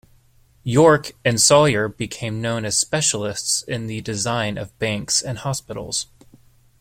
York and Sawyer became known as specialists in the design of banks and hospitals.